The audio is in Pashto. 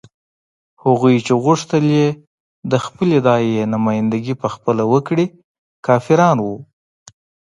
هغوی چې غوښتل یې د خپلې داعیې نمايندګي په خپله وکړي کافران وو.